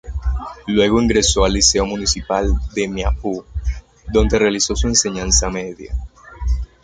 Luego ingresó al Liceo Municipal de Maipú, donde realizó su enseñanza media.